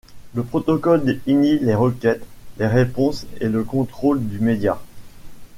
Le protocole définit les requêtes, les réponses et le contrôle du média.